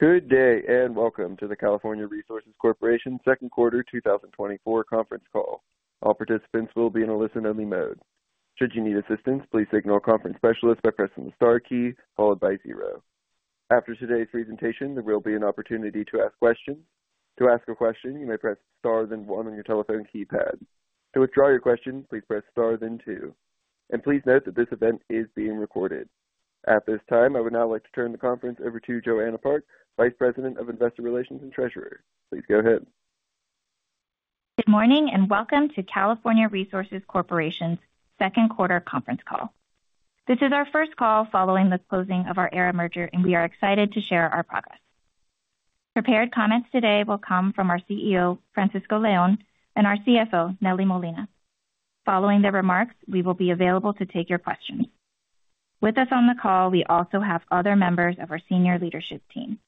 Good day, and Welcome to The California Resources Corporation Second Quarter 2024 Conference Call. All participants will be in a listen-only mode. Should you need assistance, please signal a conference specialist by pressing the star key followed by zero. After today's presentation, there will be an opportunity to ask questions. To ask a question, you may press Star then one on your telephone keypad. To withdraw your question, please press Star, then two, and please note that this event is being recorded. At this time, I would now like to turn the conference over to Joanna Park, Vice President of Investor Relations and Treasurer. Please go ahead. Good morning, and Welcome to California Resources Corporation's Second Quarter Conference Call. This is our first call following the closing of our Aera merger, and we are excited to share our progress. Prepared comments today will come from our CEO, Francisco Leon, and our CFO, Nelly Molina. Following their remarks, we will be available to take your questions. With us on the call, we also have other members of our senior leadership team.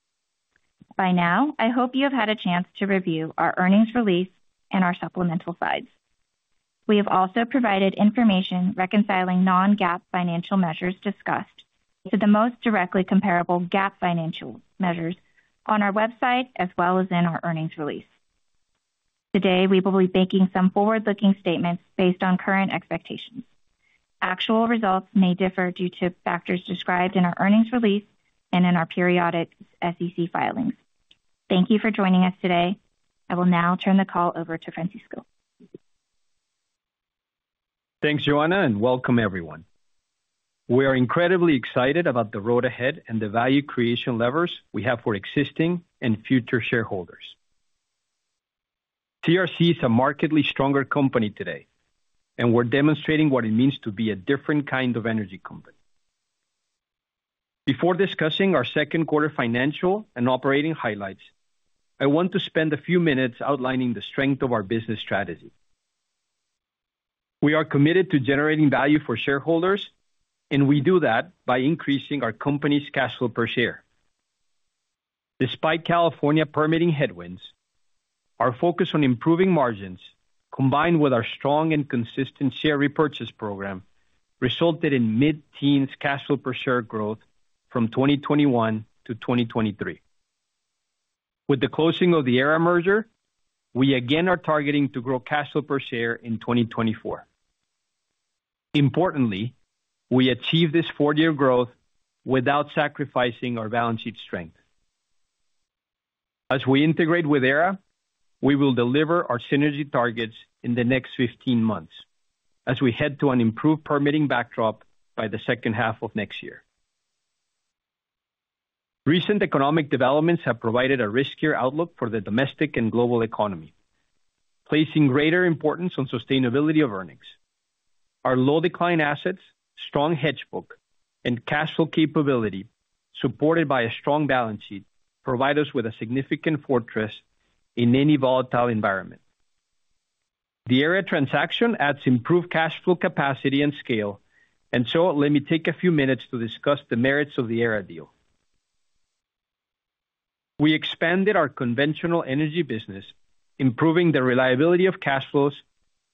By now, I hope you have had a chance to review our earnings release and our supplemental slides. We have also provided information reconciling non-GAAP financial measures discussed to the most directly comparable GAAP financial measures on our website as well as in our earnings release. Today, we will be making some forward-looking statements based on current expectations. Actual results may differ due to factors described in our earnings release and in our periodic SEC filings. Thank you for joining us today. I will now turn the call over to Francisco. Thanks, Joanna, and welcome everyone. We are incredibly excited about the road ahead and the value creation levers we have for existing and future shareholders. CRC is a markedly stronger company today, and we're demonstrating what it means to be a different kind of energy company. Before discussing our second quarter financial and operating highlights, I want to spend a few minutes outlining the strength of our business strategy. We are committed to generating value for shareholders, and we do that by increasing our company's cash flow per share. Despite California permitting headwinds, our focus on improving margins, combined with our strong and consistent share repurchase program, resulted in mid-teens cash flow per share growth from 2021 to 2023. With the closing of the Aera merger, we again are targeting to grow cash flow per share in 2024. Importantly, we achieved this four-year growth without sacrificing our balance sheet strength. As we integrate with Aera, we will deliver our synergy targets in the next 15 months as we head to an improved permitting backdrop by the second half of next year. Recent economic developments have provided a riskier outlook for the domestic and global economy, placing greater importance on sustainability of earnings. Our low decline assets, strong hedge book, and cash flow capability, supported by a strong balance sheet, provide us with a significant fortress in any volatile environment. The Aera transaction adds improved cash flow, capacity, and scale, and so let me take a few minutes to discuss the merits of the Aera deal. We expanded our conventional energy business, improving the reliability of cash flows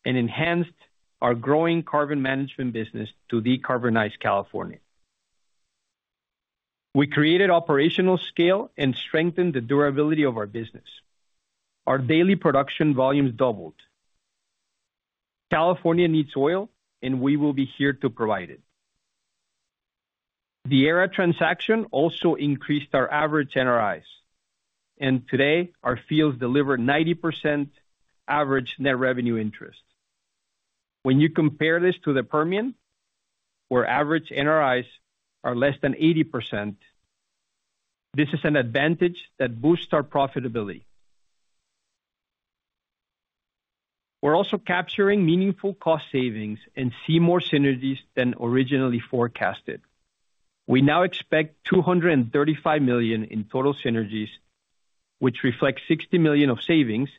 and enhanced our growing carbon management business to decarbonize California. We created operational scale and strengthened the durability of our business. Our daily production volumes doubled. California needs oil, and we will be here to provide it. The Aera transaction also increased our average NRIs, and today our fields deliver 90% average net revenue interest. When you compare this to the Permian, where average NRIs are less than 80%, this is an advantage that boosts our profitability. We're also capturing meaningful cost savings and see more synergies than originally forecasted. We now expect $235 million in total synergies, which reflects $60 million of savings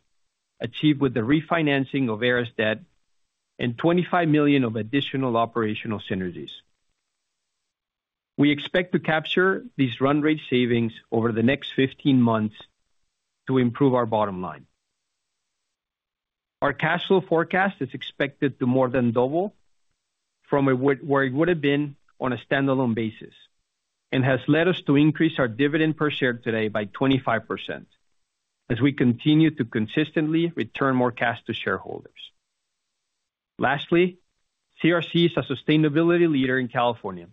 achieved with the refinancing of Aera's debt and $25 million of additional operational synergies. We expect to capture these run rate savings over the next 15 months to improve our bottom line. Our cash flow forecast is expected to more than double from where it would have been on a standalone basis and has led us to increase our dividend per share today by 25% as we continue to consistently return more cash to shareholders. Lastly, CRC is a sustainability leader in California,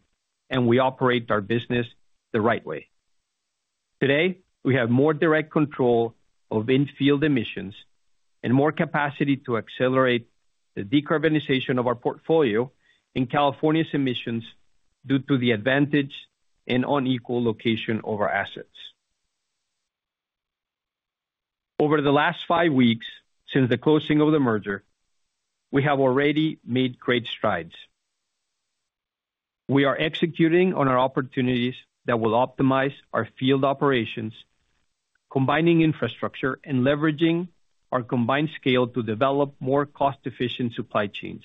and we operate our business the right way. Today, we have more direct control of in-field emissions and more capacity to accelerate the decarbonization of our portfolio in California's emissions due to the advantage and unequal location of our assets. Over the last five weeks, since the closing of the merger, we have already made great strides. We are executing on our opportunities that will optimize our field operations, combining infrastructure and leveraging our combined scale to develop more cost-efficient supply chains.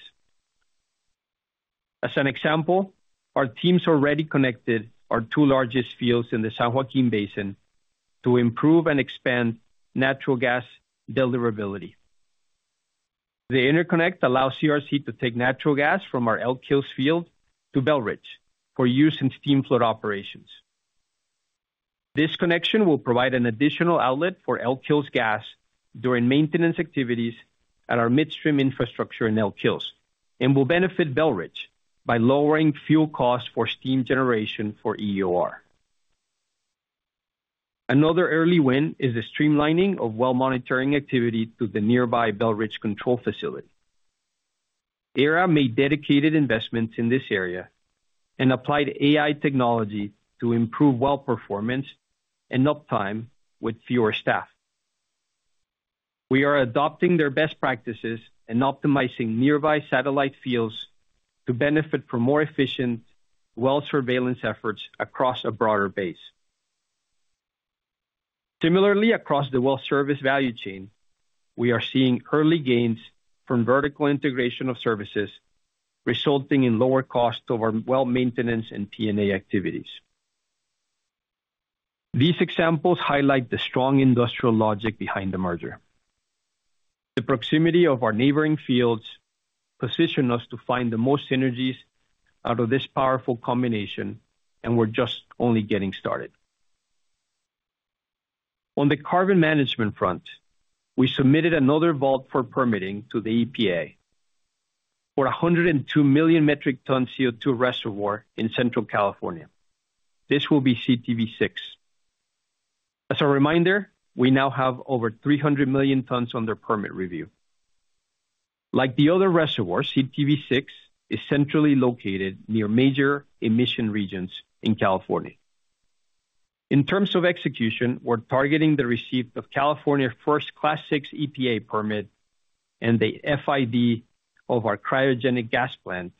As an example, our teams already connected our two largest fields in the San Joaquin Basin to improve and expand natural gas deliverability. The interconnect allows CRC to take natural gas from our Elk Hills field to Belridge for use in steam flood operations. This connection will provide an additional outlet for Elk Hills gas during maintenance activities at our midstream infrastructure in Elk Hills, and will benefit Belridge by lowering fuel costs for steam generation for EOR. Another early win is the streamlining of well monitoring activity to the nearby Belridge control facility. Aera made dedicated investments in this area and applied AI technology to improve well performance and uptime with fewer staff. We are adopting their best practices and optimizing nearby satellite fields to benefit from more efficient well surveillance efforts across a broader base. Similarly, across the well service value chain, we are seeing early gains from vertical integration of services, resulting in lower cost of our well maintenance and P&A activities. These examples highlight the strong industrial logic behind the merger. The proximity of our neighboring fields position us to find the most synergies out of this powerful combination, and we're just only getting started. On the carbon management front, we submitted another vault for permitting to the EPA for a 102 million metric ton CO2 reservoir in Central California. This will be CTV VI. As a reminder, we now have over 300 million tons under permit review. Like the other reservoirs, CTV VI is centrally located near major emission regions in California. In terms of execution, we're targeting the receipt of California first Class VI EPA permit and the FID of our cryogenic gas plant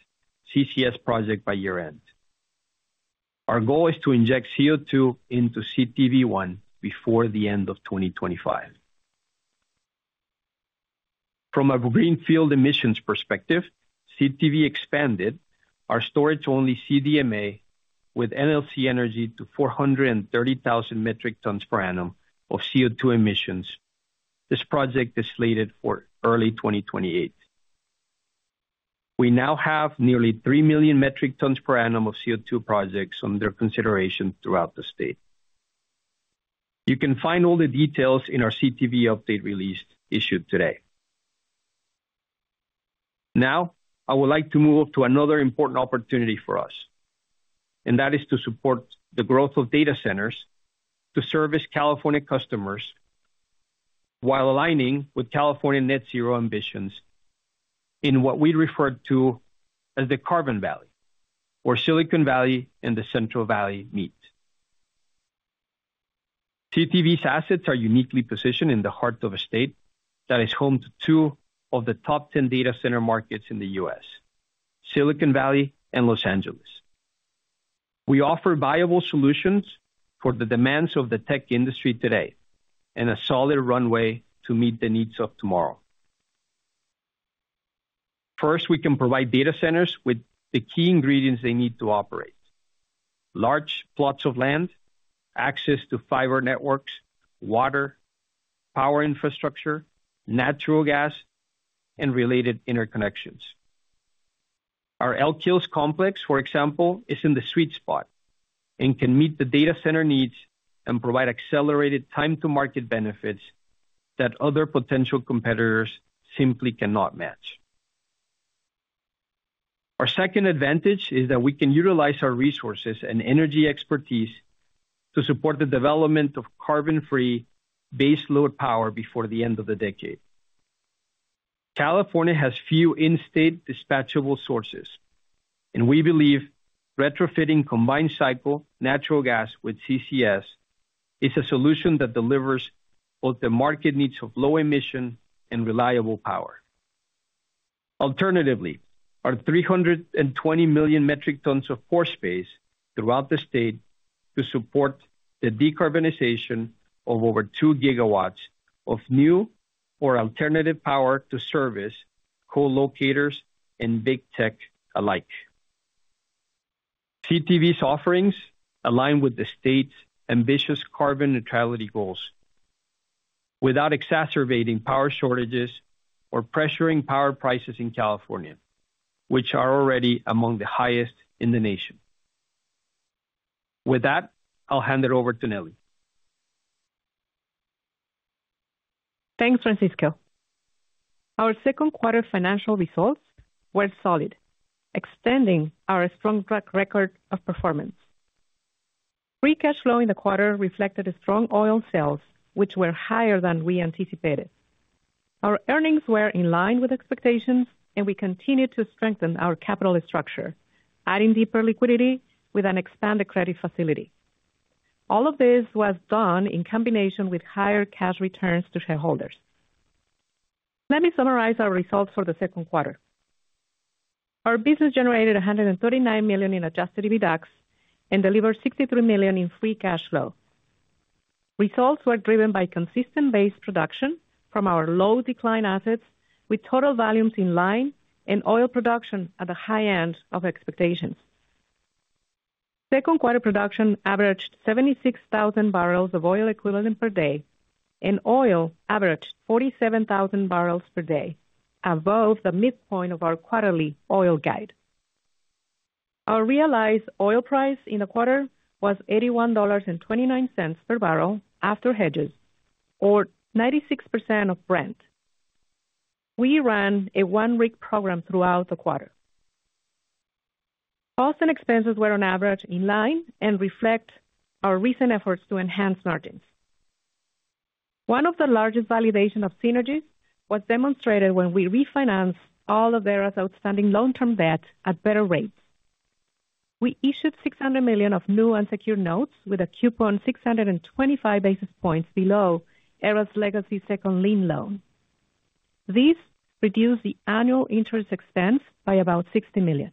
CCS project by year-end. Our goal is to inject CO2 into CTV I before the end of 2025. From a greenfield emissions perspective, CTV expanded our storage-only CDMA with NLC Energy to 430,000 metric tons per annum of CO2 emissions. This project is slated for early 2028. We now have nearly 3 million metric tons per annum of CO2 projects under consideration throughout the state. You can find all the details in our CTV update release issued today. Now, I would like to move to another important opportunity for us, and that is to support the growth of data centers to service California customers while aligning with California Net Zero ambitions in what we refer to as the Carbon Valley or Silicon Valley and the Central Valley meet. CTV's assets are uniquely positioned in the heart of a state that is home to 2 of the top 10 data center markets in the U.S., Silicon Valley and Los Angeles. We offer viable solutions for the demands of the tech industry today, and a solid runway to meet the needs of tomorrow. First, we can provide data centers with the key ingredients they need to operate: large plots of land, access to fiber networks, water, power infrastructure, natural gas, and related interconnections. Our Elk Hills complex, for example, is in the sweet spot and can meet the data center needs and provide accelerated time to market benefits that other potential competitors simply cannot match. Our second advantage is that we can utilize our resources and energy expertise to support the development of carbon-free base load power before the end of the decade. California has few in-state dispatchable sources, and we believe retrofitting combined cycle natural gas with CCS is a solution that delivers both the market needs of low emission and reliable power. Alternatively, our 320 million metric tons of pore space throughout the state to support the decarbonization of over 2 GW of new or alternative power to service co-locators and big tech alike. CTV's offerings align with the state's ambitious carbon neutrality goals without exacerbating power shortages or pressuring power prices in California, which are already among the highest in the nation. With that, I'll hand it over to Nelly. Thanks, Francisco. Our second quarter financial results were solid, extending our strong track record of performance. Free cash flow in the quarter reflected a strong oil sales, which were higher than we anticipated. Our earnings were in line with expectations, and we continued to strengthen our capital structure, adding deeper liquidity with an expanded credit facility. All of this was done in combination with higher cash returns to shareholders. Let me summarize our results for the second quarter. Our business generated $139 million in adjusted EBITDAX and delivered $63 million in free cash flow. Results were driven by consistent base production from our low decline assets, with total volumes in line and oil production at the high end of expectations. Second quarter production averaged 76,000 barrels of oil equivalent per day, and oil averaged 47,000 barrels per day, above the midpoint of our quarterly oil guide. Our realized oil price in the quarter was $81.29 per barrel after hedges, or 96% of Brent. We ran a one rig program throughout the quarter. Costs and expenses were on average in line and reflect our recent efforts to enhance margins. One of the largest validation of synergies was demonstrated when we refinanced all of Aera's outstanding long-term debt at better rates. We issued $600 million of new unsecured notes with a coupon 625 basis points below Aera's legacy second lien loan. This reduced the annual interest expense by about $60 million.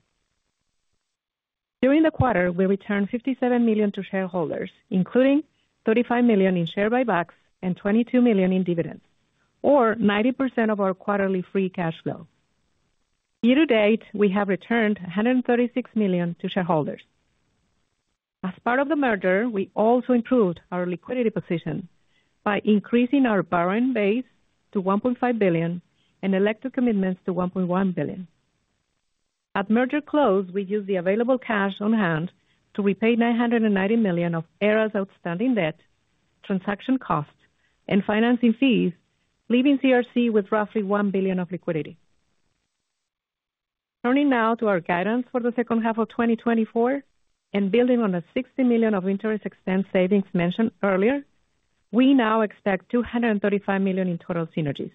During the quarter, we returned $57 million to shareholders, including $35 million in share buybacks and $22 million in dividends, or 90% of our quarterly free cash flow. Year to date, we have returned $136 million to shareholders. As part of the merger, we also improved our liquidity position by increasing our borrowing base to $1.5 billion and elected commitments to $1.1 billion. At merger close, we used the available cash on hand to repay $990 million of Aera's outstanding debt, transaction costs, and financing fees, leaving CRC with roughly $1 billion of liquidity. Turning now to our guidance for the second half of 2024 and building on the $60 million of interest expense savings mentioned earlier, we now expect $235 million in total synergies.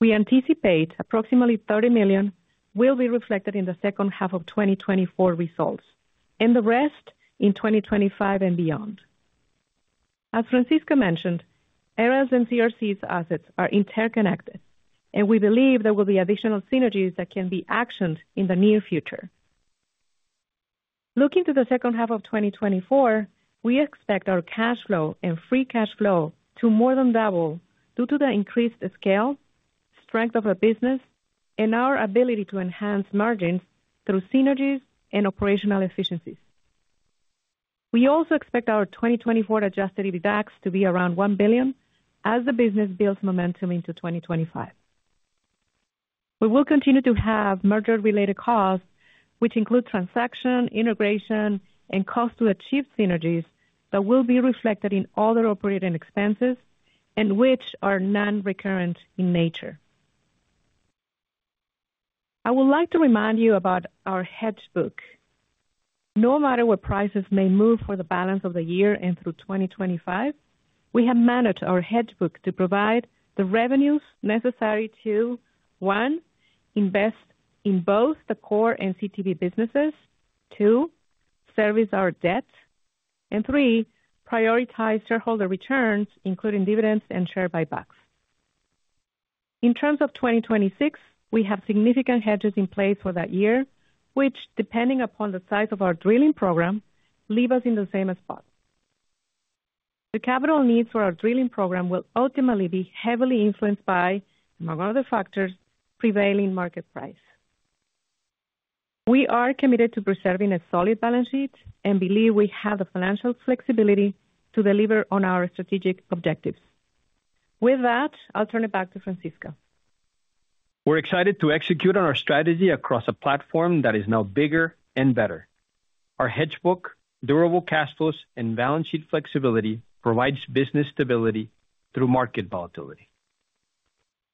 We anticipate approximately $30 million will be reflected in the second half of 2024 results, and the rest in 2025 and beyond. As Francisco mentioned, Aera's and CRC's assets are interconnected, and we believe there will be additional synergies that can be actioned in the near future. Looking to the second half of 2024, we expect our cash flow and free cash flow to more than double due to the increased scale, strength of our business, and our ability to enhance margins through synergies and operational efficiencies. We also expect our 2024 Adjusted EBITDAX to be around $1 billion as the business builds momentum into 2025. We will continue to have merger-related costs, which include transaction, integration, and cost to achieve synergies that will be reflected in all our operating expenses and which are non-recurrent in nature. I would like to remind you about our hedge book. No matter what prices may move for the balance of the year and through 2025, we have managed our hedge book to provide the revenues necessary to, 1, invest in both the core and CTV businesses, 2, service our debt, and 3, prioritize shareholder returns, including dividends and share buybacks. In terms of 2026, we have significant hedges in place for that year, which, depending upon the size of our drilling program, leave us in the same spot. The capital needs for our drilling program will ultimately be heavily influenced by, among other factors, prevailing market price. We are committed to preserving a solid balance sheet and believe we have the financial flexibility to deliver on our strategic objectives. With that, I'll turn it back to Francisco. We're excited to execute on our strategy across a platform that is now bigger and better. Our hedge book, durable cash flows, and balance sheet flexibility provides business stability through market volatility.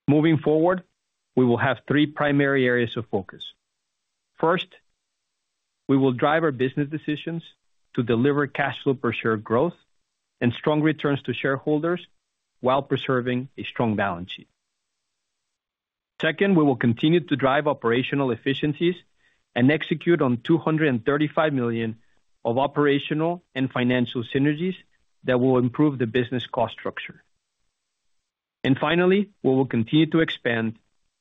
Moving forward, we will have three primary areas of focus. First, we will drive our business decisions to deliver cash flow per share growth and strong returns to shareholders while preserving a strong balance sheet. Second, we will continue to drive operational efficiencies and execute on $235 million of operational and financial synergies that will improve the business cost structure. Finally, we will continue to expand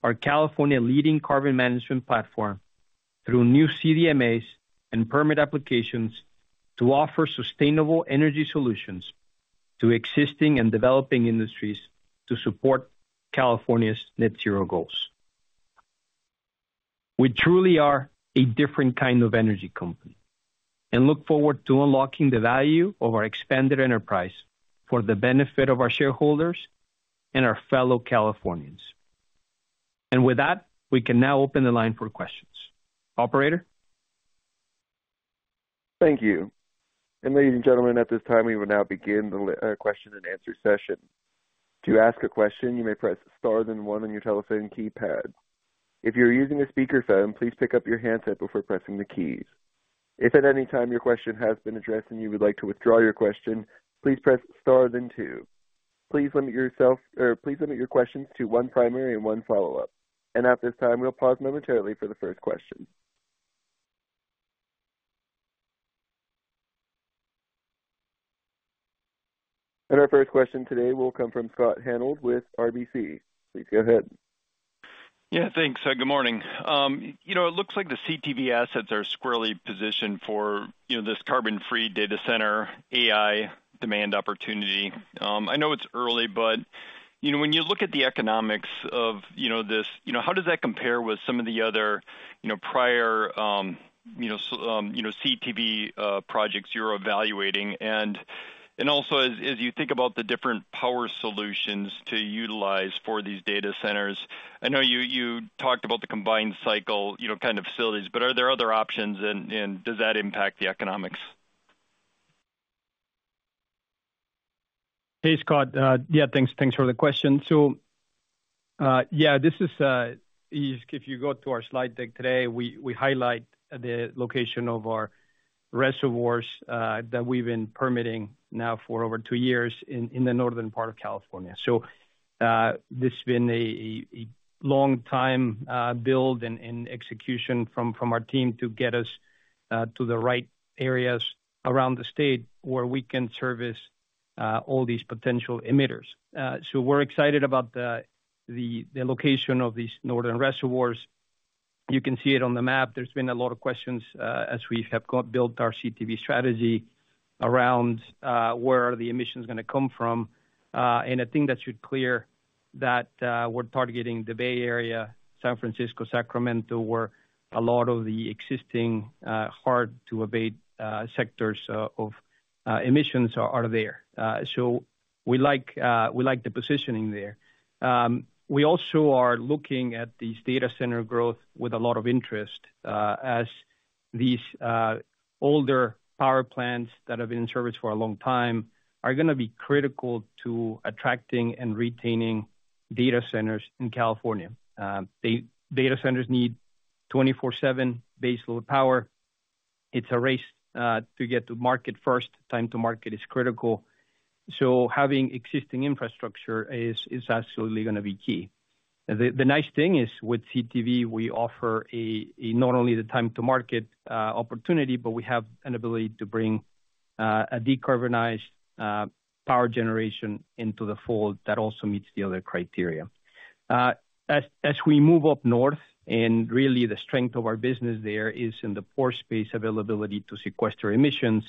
our California leading carbon management platform through new CDMAs and permit applications to offer sustainable energy solutions to existing and developing industries to support California's Net Zero goals. We truly are a different kind of energy company and look forward to unlocking the value of our expanded enterprise for the benefit of our shareholders and our fellow Californians. With that, we can now open the line for questions. Operator? Thank you. Ladies and gentlemen, at this time, we will now begin the question-and-answer session. To ask a question, you may press star then one on your telephone keypad. If you're using a speakerphone, please pick up your handset before pressing the keys. If at any time your question has been addressed and you would like to withdraw your question, please press star then two. Please limit yourself, or please limit your questions to one primary and one follow-up. And at this time, we'll pause momentarily for the first question. And our first question today will come from Scott Hanold with RBC. Please go ahead. Yeah, thanks. Good morning. You know, it looks like the CTV assets are squarely positioned for, you know, this carbon-free data center AI demand opportunity. I know it's early, but you know, when you look at the economics of this, you know, how does that compare with some of the other prior, you know, so, you know, CTV projects you're evaluating? And also, as you think about the different power solutions to utilize for these data centers, I know you talked about the combined cycle kind of facilities, but are there other options, and does that impact the economics? Hey, Scott. Yeah, thanks, thanks for the question. So, yeah, this is, if you go to our slide deck today, we highlight the location of our reservoirs that we've been permitting now for over two years in the northern part of California. So, this has been a long time build and execution from our team to get us to the right areas around the state where we can service all these potential emitters. So we're excited about the location of these northern reservoirs. You can see it on the map. There's been a lot of questions as we have built our CTV strategy around where are the emissions gonna come from. I think that should clear that, we're targeting the Bay Area, San Francisco, Sacramento, where a lot of the existing hard-to-abate sectors of emissions are there. So we like the positioning there. We also are looking at these data center growth with a lot of interest, as these older power plants that have been in service for a long time are gonna be critical to attracting and retaining data centers in California. Data centers need 24/7 baseload power. It's a race to get to market first. Time to market is critical, so having existing infrastructure is absolutely gonna be key. The nice thing is, with CTV, we offer not only the time to market opportunity, but we have an ability to bring a decarbonized power generation into the fold that also meets the other criteria. As we move up north, and really the strength of our business there is in the pore space availability to sequester emissions,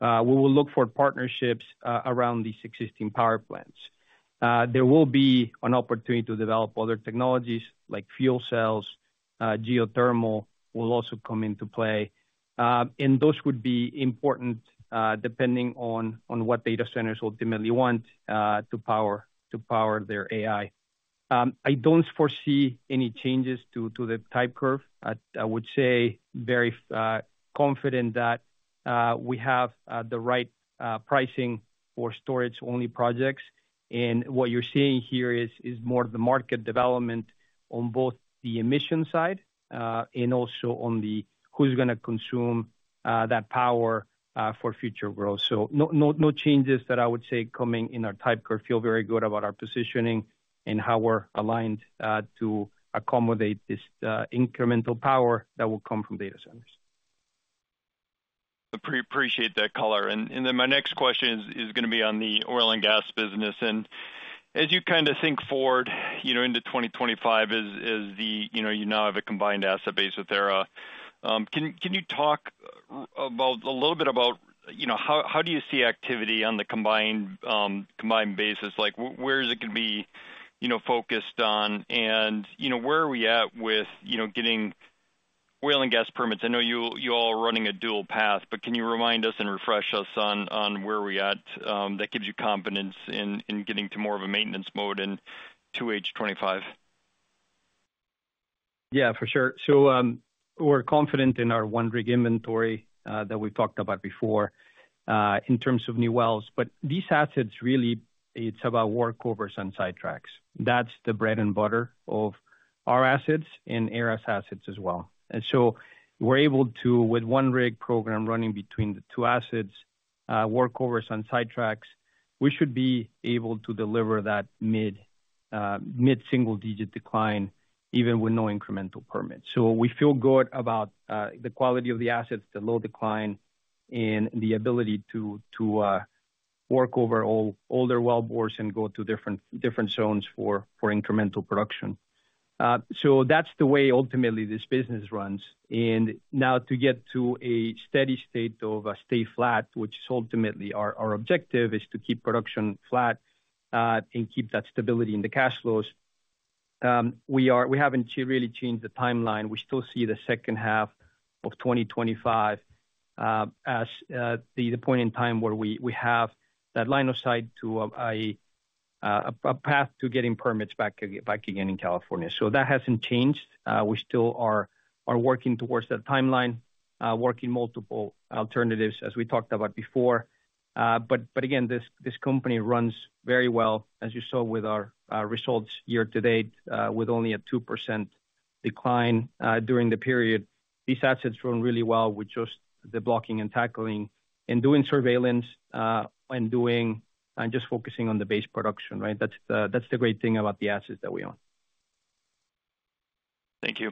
we will look for partnerships around these existing power plants. There will be an opportunity to develop other technologies, like fuel cells. Geothermal will also come into play, and those would be important, depending on what data centers ultimately want to power their AI. I don't foresee any changes to the type curve. I would say very confident that we have the right pricing for storage-only projects. What you're seeing here is more of the market development on both the emission side, and also on the who's gonna consume that power for future growth. So no, no, no changes that I would say coming in our type curve. Feel very good about our positioning and how we're aligned to accommodate this incremental power that will come from data centers. Appreciate that color. And then my next question is gonna be on the oil and gas business. And as you kind of think forward, you know, into 2025, as the, you know, you now have a combined asset base with Aera, can you talk about a little bit about, you know, how do you see activity on the combined combined basis? Like, where is it gonna be, you know, focused on? And, you know, where are we at with, you know, getting oil and gas permits? I know you all are running a dual path, but can you remind us and refresh us on where we at that gives you confidence in getting to more of a maintenance mode and 2H 2025? Yeah, for sure. So, we're confident in our one-rig inventory, that we talked about before, in terms of new wells. But these assets really, it's about workovers and sidetracks. That's the bread and butter of our assets and Aera's assets as well. And so we're able to, with one rig program running between the two assets, workovers and sidetracks, we should be able to deliver that mid, mid-single-digit decline, even with no incremental permits. So we feel good about, the quality of the assets, the low decline, and the ability to, to, work over old- older wellbores and go to different, different zones for, for incremental production. So that's the way ultimately this business runs. Now to get to a steady state of a stay flat, which is ultimately our objective, is to keep production flat, and keep that stability in the cash flows, we haven't really changed the timeline. We still see the second half of 2025 as the point in time where we have that line of sight to a path to getting permits back again in California. So that hasn't changed. We still are working towards that timeline, working multiple alternatives, as we talked about before. But again, this company runs very well, as you saw with our results year to date, with only a 2% decline during the period. These assets run really well with just the blocking and tackling and doing surveillance, and just focusing on the base production, right? That's the, that's the great thing about the assets that we own. Thank you.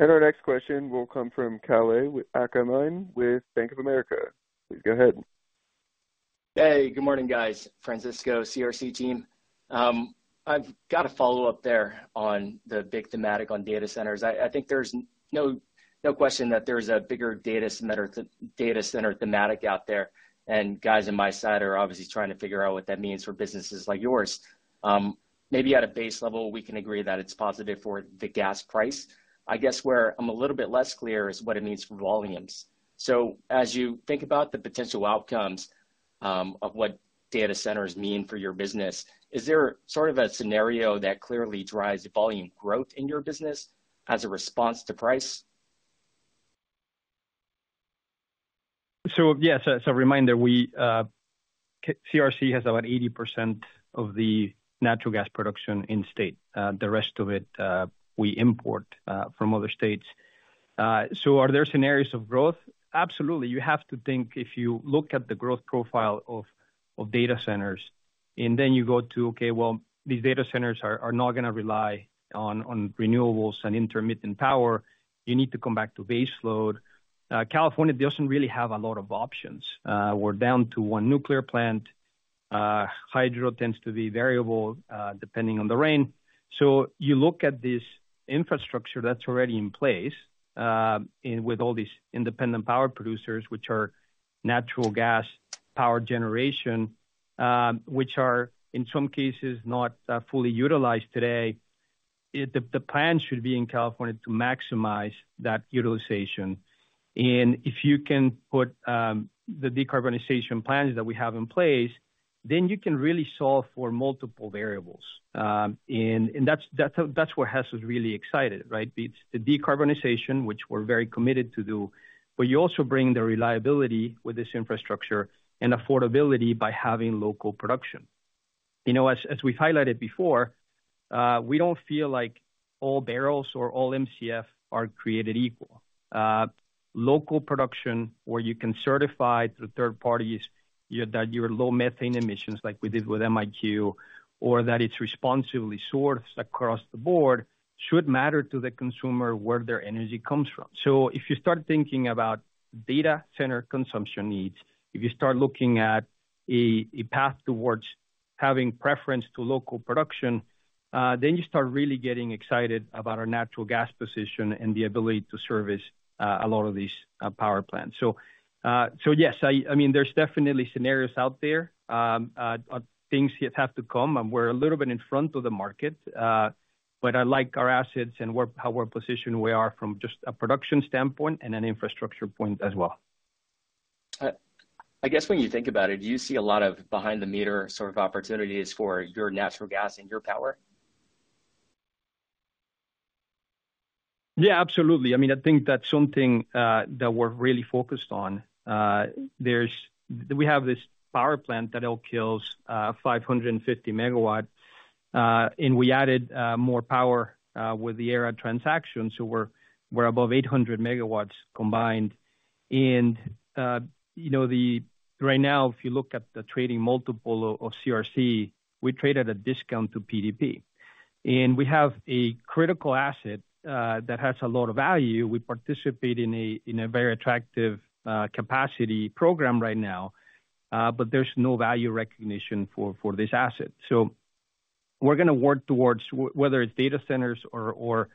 Our next question will come from Kalei Akamine with Bank of America. Please go ahead. Hey, good morning, guys, Francisco, CRC team. I've got a follow-up there on the big thematic on data centers. I think there's no question that there's a bigger data center, data center thematic out there, and guys on my side are obviously trying to figure out what that means for businesses like yours. Maybe at a base level, we can agree that it's positive for the gas price. I guess where I'm a little bit less clear is what it means for volumes. So as you think about the potential outcomes of what data centers mean for your business, is there sort of a scenario that clearly drives the volume growth in your business as a response to price? So, yes, as a reminder, we, CRC has about 80% of the natural gas production in state. The rest of it, we import from other states. So are there scenarios of growth? Absolutely. You have to think, if you look at the growth profile of data centers, and then you go to, okay, well, these data centers are not gonna rely on renewables and intermittent power, you need to come back to base load. California doesn't really have a lot of options. We're down to one nuclear plant. Hydro tends to be variable depending on the rain. So you look at this infrastructure that's already in place, and with all these independent power producers, which are natural gas power generation, which are, in some cases, not fully utilized today. It's the plan should be in California to maximize that utilization. And if you can put the decarbonization plans that we have in place, then you can really solve for multiple variables. And that's where Hess is really excited, right? It's the decarbonization, which we're very committed to do, but you also bring the reliability with this infrastructure and affordability by having local production. You know, as we've highlighted before, we don't feel like all barrels or all Mcf are created equal. Local production, where you can certify to third parties, yeah, that you're low methane emissions, like we did with MiQ, or that it's responsibly sourced across the board, should matter to the consumer, where their energy comes from. So if you start thinking about data center consumption needs, if you start looking at a path towards having preference to local production, then you start really getting excited about our natural gas position and the ability to service a lot of these power plants. So yes, I mean, there's definitely scenarios out there. Things yet have to come, and we're a little bit in front of the market. But I like our assets and where-how we're positioned we are from just a production standpoint and an infrastructure point as well. I guess when you think about it, do you see a lot of behind the meter sort of opportunities for your natural gas and your power? Yeah, absolutely. I mean, I think that's something that we're really focused on. We have this power plant at Elk Hills, 550 MW, and we added more power with the Aera transaction, so we're above 800 MW combined. And you know, right now, if you look at the trading multiple of CRC, we trade at a discount to PDP. And we have a critical asset that has a lot of value. We participate in a very attractive capacity program right now, but there's no value recognition for this asset. So we're gonna work towards whether it's data centers or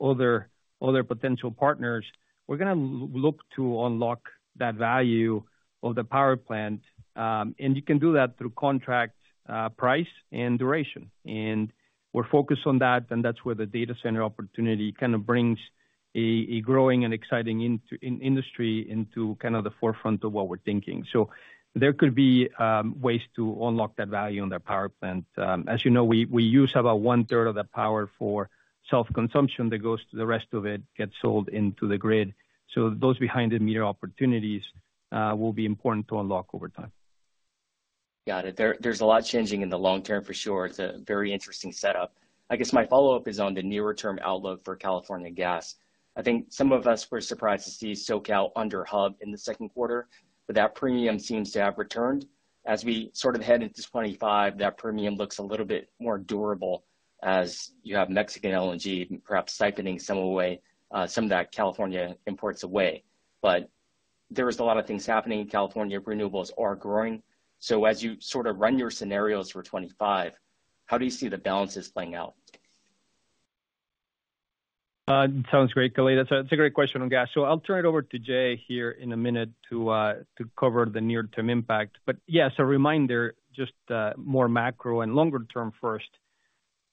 other potential partners, we're gonna look to unlock that value of the power plant. And you can do that through contract price and duration. And we're focused on that, and that's where the data center opportunity kind of brings a growing and exciting industry into kind of the forefront of what we're thinking. So there could be ways to unlock that value in the power plant. As you know, we use about one third of the power for self-consumption that goes to the rest of it, gets sold into the grid. So those behind the meter opportunities will be important to unlock over time. Got it. There, there's a lot changing in the long term, for sure. It's a very interesting setup. I guess my follow-up is on the nearer term outlook for California Gas. I think some of us were surprised to see SoCal under Hub in the second quarter, but that premium seems to have returned. As we sort of head into 25, that premium looks a little bit more durable, as you have Mexican LNG perhaps siphoning some away, some of that California imports away. But there is a lot of things happening. California renewables are growing. So as you sort of run your scenarios for 25, how do you see the balances playing out? Sounds great, Kalei. So it's a great question on gas. So I'll turn it over to Jay here in a minute to cover the near-term impact. But yeah, so reminder, just more macro and longer term first.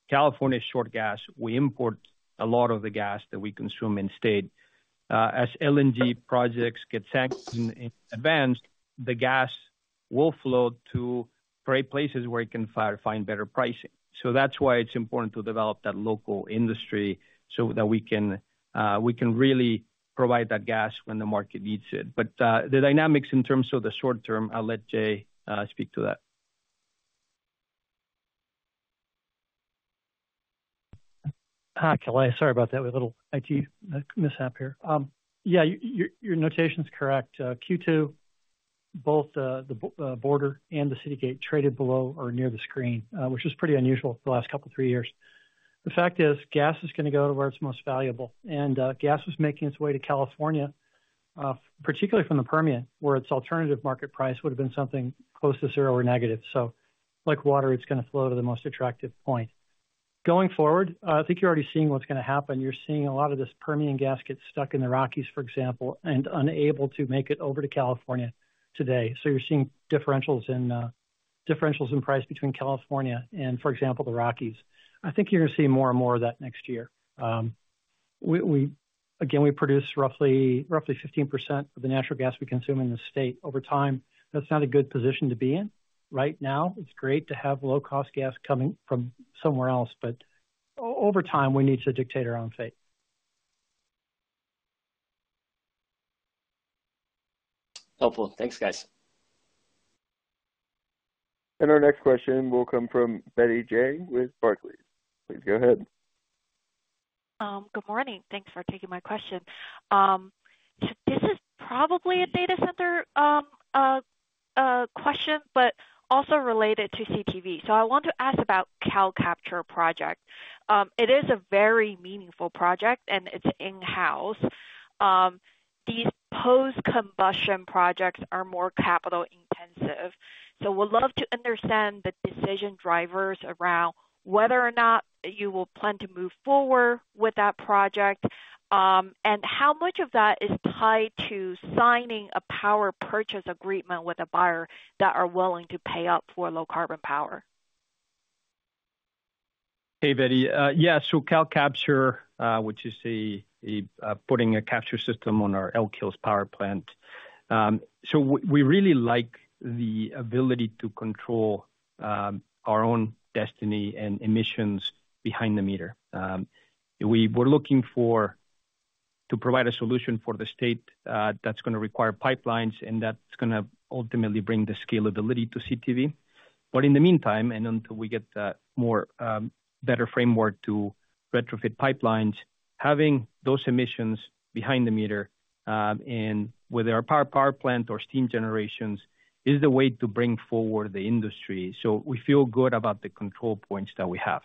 California is short gas. We import a lot of the gas that we consume in state. As LNG projects get signed in advance, the gas will flow to great places where it can find better pricing. So that's why it's important to develop that local industry so that we can really provide that gas when the market needs it. But the dynamics in terms of the short term, I'll let Jay speak to that. Hi, Kalei. Sorry about that. We had a little IT mishap here. Yeah, your notation is correct. Q2, both the border and the city gate traded below or near the screen, which is pretty unusual for the last couple of three years. The fact is, gas is gonna go to where it's most valuable, and gas is making its way to California, particularly from the Permian, where its alternative market price would have been something close to zero or negative. So like water, it's gonna flow to the most attractive point. Going forward, I think you're already seeing what's gonna happen. You're seeing a lot of this Permian gas get stuck in the Rockies, for example, and unable to make it over to California today. So you're seeing differentials in differentials in price between California and, for example, the Rockies. I think you're gonna see more and more of that next year. We again produce roughly 15% of the natural gas we consume in the state over time. That's not a good position to be in. Right now, it's great to have low-cost gas coming from somewhere else, but over time, we need to dictate our own fate. Helpful. Thanks, guys. Our next question will come from Betty Jiang with Barclays. Please go ahead. Good morning. Thanks for taking my question. This is probably a data center question, but also related to CTV. So I want to ask about CalCapture project. It is a very meaningful project, and it's in-house. These post-combustion projects are more capital-intensive, so would love to understand the decision drivers around whether or not you will plan to move forward with that project, and how much of that is tied to signing a power purchase agreement with a buyer that are willing to pay up for low carbon power? Hey, Betty. Yeah, so CalCapture, which is the putting a capture system on our Elk Hills power plant. So we really like the ability to control our own destiny and emissions behind the meter. We were looking to provide a solution for the state that's gonna require pipelines, and that's gonna ultimately bring the scalability to CTV. But in the meantime, and until we get the more better framework to retrofit pipelines, having those emissions behind the meter and with our power plant or steam generations is the way to bring forward the industry. So we feel good about the control points that we have.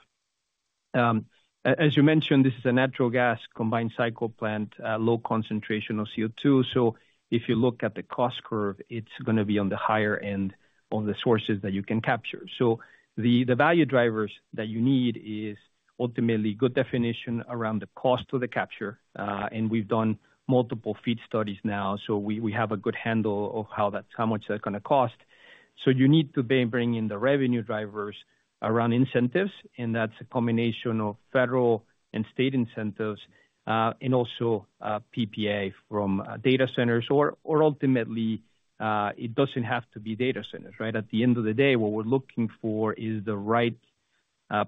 As you mentioned, this is a natural gas combined cycle plant, low concentration of CO2. So if you look at the cost curve, it's gonna be on the higher end of the sources that you can capture. So the value drivers that you need is ultimately good definition around the cost of the capture. And we've done multiple FEED studies now, so we have a good handle of how that, how much that's gonna cost. So you need to then bring in the revenue drivers around incentives, and that's a combination of federal and state incentives, and also, PPA from data centers, or, or ultimately, it doesn't have to be data centers, right? At the end of the day, what we're looking for is the right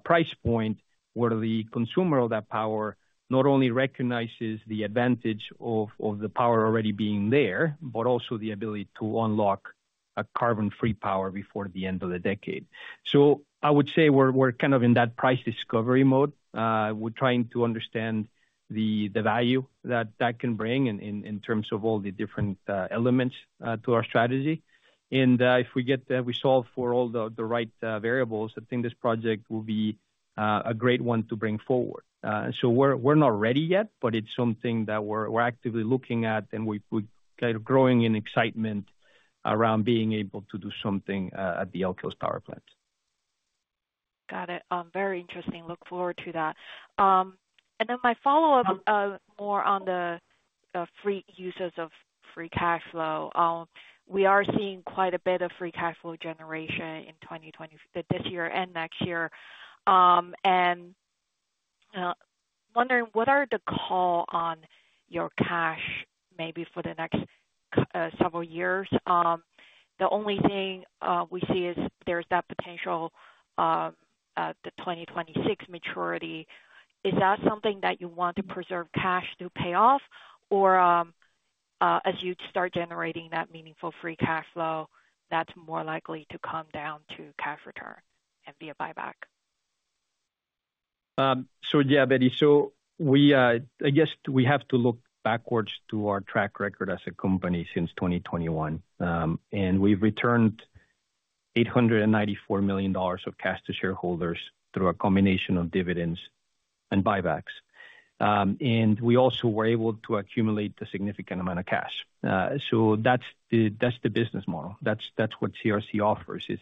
price point, where the consumer of that power not only recognizes the advantage of the power already being there, but also the ability to unlock a carbon-free power before the end of the decade. So I would say we're kind of in that price discovery mode. We're trying to understand the value that can bring in terms of all the different elements to our strategy. And if we get the. We solve for all the right variables, I think this project will be a great one to bring forward. So we're not ready yet, but it's something that we're actively looking at, and we're kind of growing in excitement around being able to do something at the Elk Hills Power Plant. Got it. Very interesting. Look forward to that. And then my follow-up, more on the uses of free cash flow. We are seeing quite a bit of free cash flow generation in 2024 this year and next year. And wondering, what are the call on your cash maybe for the next several years? The only thing we see is there's that potential, the 2026 maturity. Is that something that you want to preserve cash to pay off, or as you start generating that meaningful free cash flow, that's more likely to come down to cash return and be a buyback? So yeah, Betty. So we, I guess we have to look backwards to our track record as a company since 2021. And we've returned $894 million of cash to shareholders through a combination of dividends and buybacks. And we also were able to accumulate a significant amount of cash. So that's the, that's the business model. That's, that's what CRC offers, is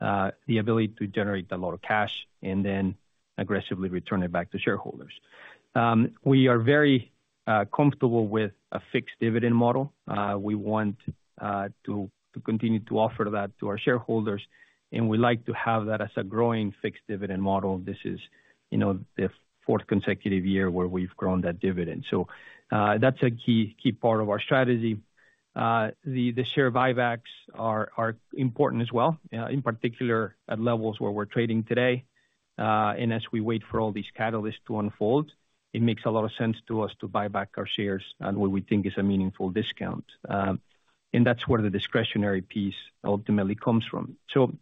the ability to generate a lot of cash and then aggressively return it back to shareholders. We are very comfortable with a fixed dividend model. We want to continue to offer that to our shareholders, and we like to have that as a growing fixed dividend model. This is, you know, the fourth consecutive year where we've grown that dividend. So that's a key, key part of our strategy. The share buybacks are important as well, in particular, at levels where we're trading today. And as we wait for all these catalysts to unfold, it makes a lot of sense to us to buy back our shares at what we think is a meaningful discount. That's where the discretionary piece ultimately comes from. So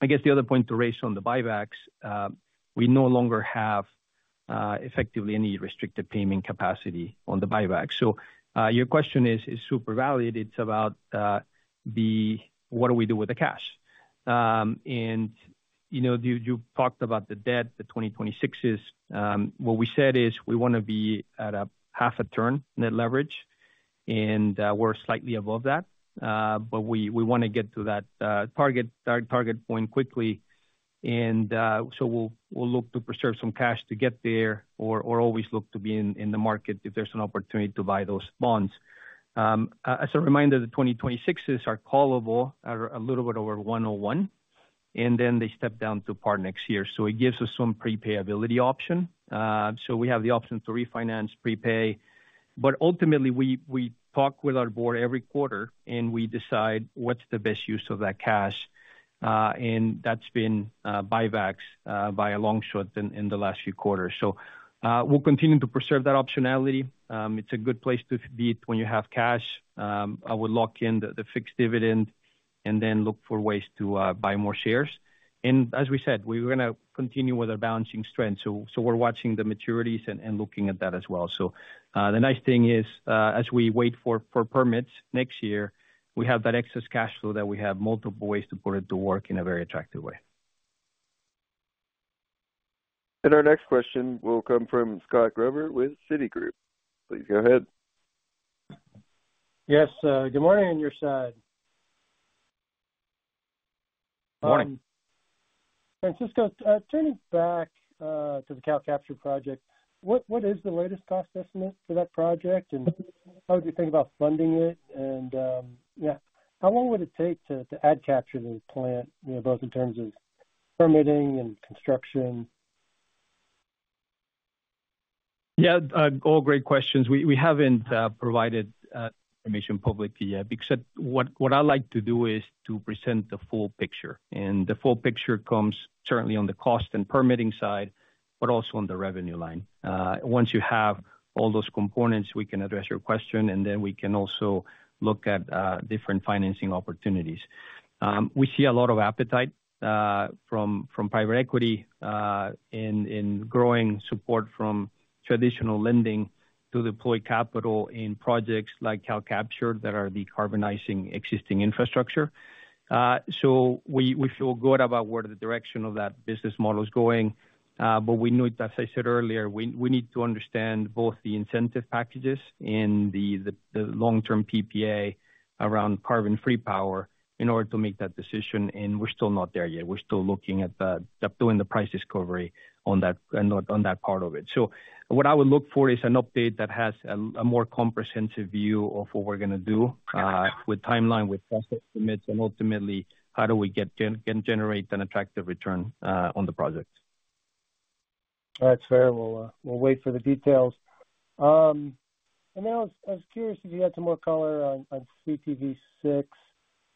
I guess the other point to raise on the buybacks, we no longer have effectively any restricted payment capacity on the buyback. So, your question is super valid. It's about what do we do with the cash? You know, you talked about the debt, the 2026s. What we said is we wanna be at 0.5 turn net leverage, and we're slightly above that. But we wanna get to that target point quickly. And so we'll look to preserve some cash to get there or always look to be in the market if there's an opportunity to buy those bonds. As a reminder, the 2026s are callable at a little bit over 101, and then they step down to par next year. So it gives us some prepayability option. So we have the option to refinance, prepay, but ultimately we talk with our board every quarter, and we decide what's the best use of that cash. And that's been buybacks by a long shot in the last few quarters. So we'll continue to preserve that optionality. It's a good place to be when you have cash. I would lock in the fixed dividend and then look for ways to buy more shares. And as we said, we're gonna continue with our balancing strength. So we're watching the maturities and looking at that as well. So the nice thing is, as we wait for permits next year, we have that excess cash flow that we have multiple ways to put it to work in a very attractive way. Our next question will come from Scott Gruber with Citigroup. Please go ahead. Yes, good morning on your side. Good morning. Francisco, turning back to the CalCapture project, what is the latest cost estimate for that project, and how do you think about funding it? And, yeah, how long would it take to add capture to the plant, you know, both in terms of permitting and construction? Yeah, all great questions. We haven't provided information publicly yet, because what I like to do is to present the full picture, and the full picture comes certainly on the cost and permitting side, but also on the revenue line. Once you have all those components, we can address your question, and then we can also look at different financing opportunities. We see a lot of appetite from private equity in growing support from traditional lending to deploy capital in projects like CalCapture that are decarbonizing existing infrastructure. So we feel good about where the direction of that business model is going. But we know, as I said earlier, we need to understand both the incentive packages and the long-term PPA around carbon-free power in order to make that decision, and we're still not there yet. We're still looking at doing the price discovery on that, on that part of it. So what I would look for is an update that has a more comprehensive view of what we're gonna do with timeline, with cost estimates, and ultimately, how do we generate an attractive return on the project. That's fair. We'll wait for the details. I was curious if you had some more color on CTV VI.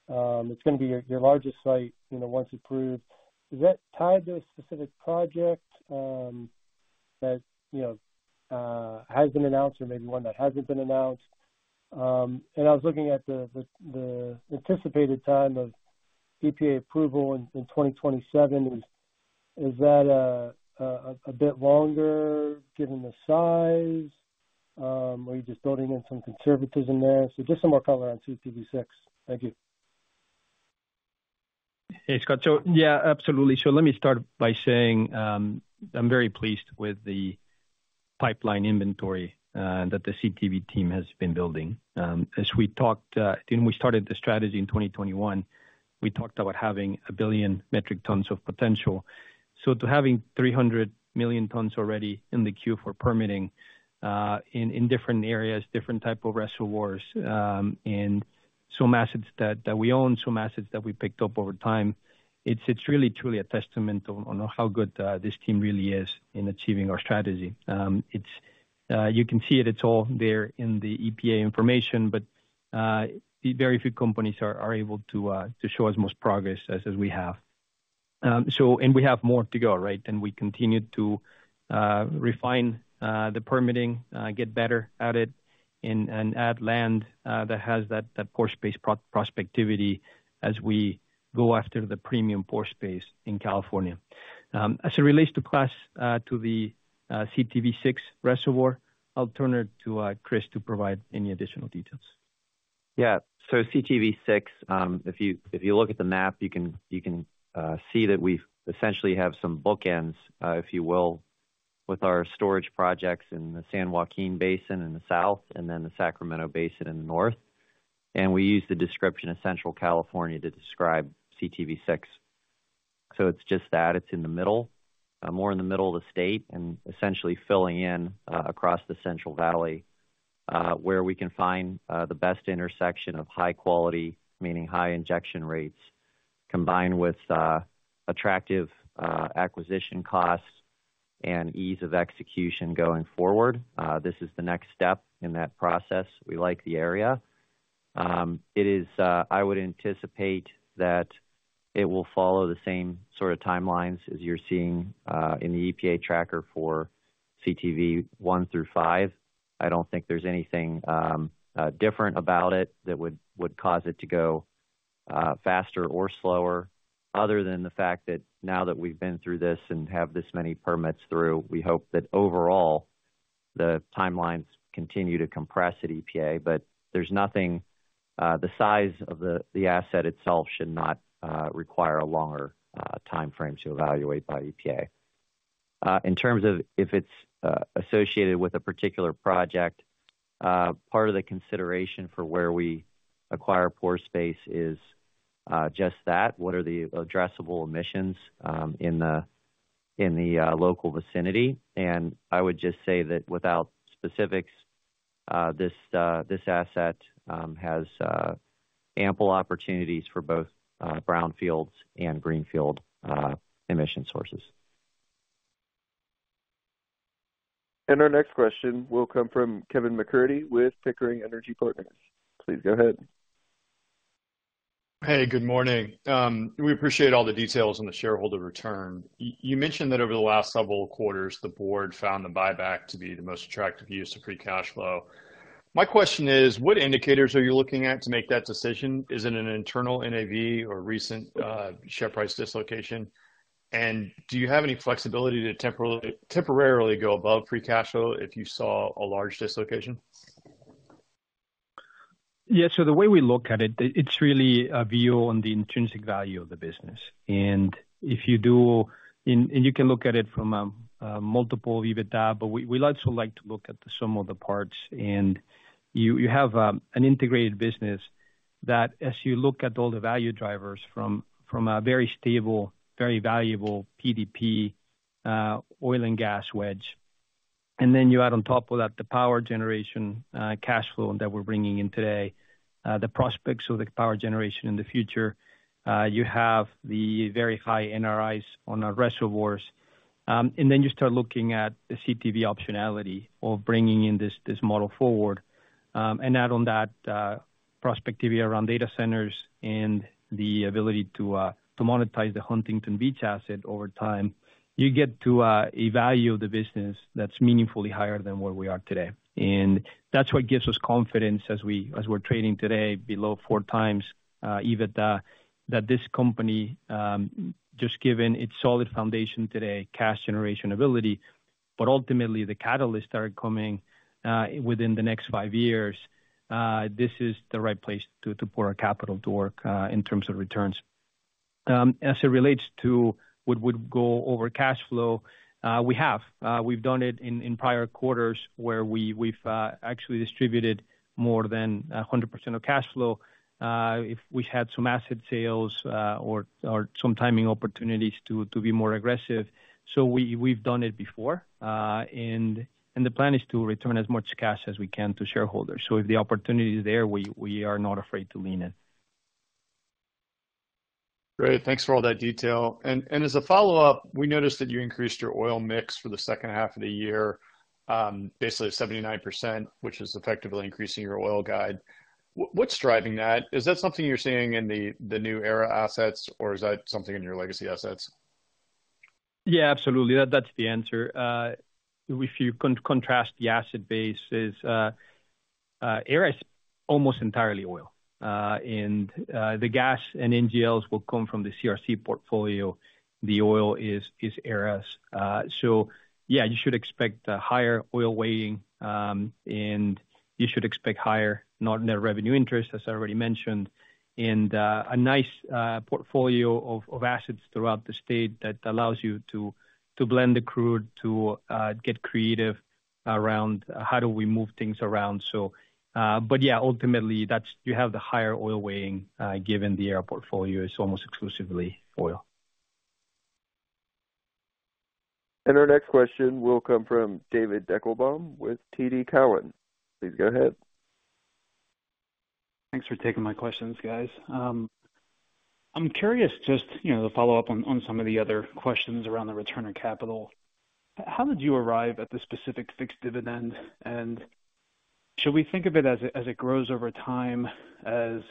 It's gonna be your largest site, you know, once approved. Is that tied to a specific project that you know has been announced or maybe one that hasn't been announced? I was looking at the anticipated time of EPA approval in 2027. Is that a bit longer, given the size? Are you just building in some conservatism there? So just some more color on CTV VI. Thank you. Hey, Scott. So yeah, absolutely. So let me start by saying, I'm very pleased with the pipeline inventory that the CTV team has been building. As we talked, when we started the strategy in 2021, we talked about having 1 billion metric tons of potential. So to having 300 million tons already in the queue for permitting, in different areas, different type of reservoirs, and some assets that we own, some assets that we picked up over time, it's really truly a testament on how good this team really is in achieving our strategy. You can see it, it's all there in the EPA information, but very few companies are able to show as much progress as we have. So, and we have more to go, right? We continue to refine the permitting, get better at it, and add land that has that pore space prospectivity as we go after the premium pore space in California. As it relates to Class VI to the CTV VI reservoir, I'll turn it to Chris to provide any additional details. Yeah. So CTV VI, if you look at the map, you can see that we essentially have some bookends, if you will, with our storage projects in the San Joaquin Basin in the south and then the Sacramento Basin in the north. And we use the description of Central California to describe CTV VI. So it's just that, it's in the middle, more in the middle of the state and essentially filling in, across the Central Valley, where we can find the best intersection of high quality, meaning high injection rates, combined with attractive acquisition costs and ease of execution going forward. This is the next step in that process. We like the area. It is. I would anticipate that it will follow the same sort of timelines as you're seeing in the EPA tracker for CTV I through V. I don't think there's anything different about it that would cause it to go faster or slower, other than the fact that now that we've been through this and have this many permits through, we hope that overall-the timelines continue to compress at EPA, but there's nothing, the size of the asset itself should not require a longer timeframe to evaluate by EPA. In terms of if it's associated with a particular project, part of the consideration for where we acquire pore space is just that, what are the addressable emissions in the local vicinity? And I would just say that without specifics, this asset has ample opportunities for both brownfields and greenfield emission sources. Our next question will come from Kevin McCurdy with Pickering Energy Partners. Please go ahead. Hey, good morning. We appreciate all the details on the shareholder return. You mentioned that over the last several quarters, the board found the buyback to be the most attractive use of free cash flow. My question is, what indicators are you looking at to make that decision? Is it an internal NAV or recent share price dislocation? And do you have any flexibility to temporarily go above free cash flow if you saw a large dislocation? Yeah, so the way we look at it, it's really a view on the intrinsic value of the business. And if you do, you can look at it from a multiple EBITDA, but we also like to look at the sum of the parts. And you have an integrated business that as you look at all the value drivers from a very stable, very valuable PDP oil and gas wedge, and then you add on top of that, the power generation cash flow that we're bringing in today, the prospects of the power generation in the future, you have the very high NRIs on our reservoirs. And then you start looking at the CTV optionality of bringing in this model forward. And add on that prospectivity around data centers and the ability to monetize the Huntington Beach asset over time, you get to evaluate the business that's meaningfully higher than where we are today. And that's what gives us confidence as we, as we're trading today below 4x EBITDA, that this company, just given its solid foundation today, cash generation ability, but ultimately, the catalysts are coming within the next five years. This is the right place to put our capital to work in terms of returns. As it relates to what would go over cash flow, we have. We've done it in prior quarters, where we've actually distributed more than 100% of cash flow, if we had some asset sales or some timing opportunities to be more aggressive. So we've done it before, and the plan is to return as much cash as we can to shareholders. So if the opportunity is there, we are not afraid to lean in. Great. Thanks for all that detail. And as a follow-up, we noticed that you increased your oil mix for the second half of the year, basically 79%, which is effectively increasing your oil guide. What's driving that? Is that something you're seeing in the new Aera assets, or is that something in your legacy assets? Yeah, absolutely. That, that's the answer. If you contrast, the asset base is, Aera is almost entirely oil. And the gas and NGLs will come from the CRC portfolio. The oil is Aera's. So yeah, you should expect a higher oil weighting, and you should expect higher net revenue interest, as I already mentioned, and a nice portfolio of assets throughout the state that allows you to blend the crude, to get creative around how do we move things around. So, yeah, ultimately, that's you have the higher oil weighting, given the Aera portfolio is almost exclusively oil. Our next question will come from David Deckelbaum with TD Cowen. Please go ahead. Thanks for taking my questions, guys. I'm curious just, you know, to follow up on some of the other questions around the return of capital. How did you arrive at the specific fixed dividend? And should we think of it as it grows over time as